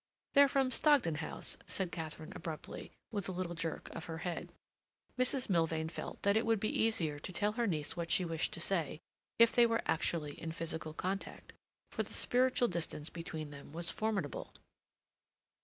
"They're from Stogdon House," said Katharine abruptly, with a little jerk of her head. Mrs. Milvain felt that it would be easier to tell her niece what she wished to say if they were actually in physical contact, for the spiritual distance between them was formidable.